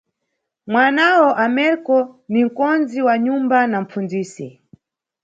Mwanawo, Ameriko, ni nʼkondzi wa nyumba na mʼpfundzisi.